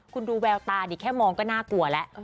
คุณดูแววตานี่แค่มองก็น่ากลัวแล้ว